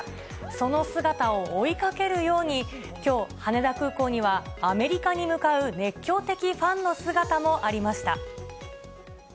その姿を追いかけるように、きょう、羽田空港には、アメリカに向かう熱狂的ファンの姿もありました。